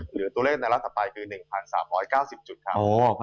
เหลือตัวเลขในรัฐถัดไปคือ๑๓๙๐จุดครับ